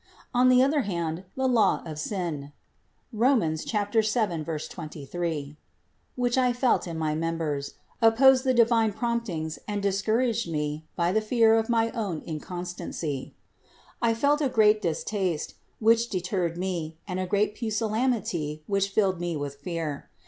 On the other hand the law of sin (Rom. 7, 23), which I felt in my members, opposed the divine promptings and discouraged me by the fear of my own inconstancy. I felt a great distaste, which deterred me and a great pusillanimity which filled me with fear.